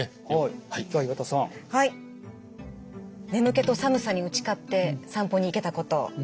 「眠気と寒さに打ち勝って散歩に行けたこと」。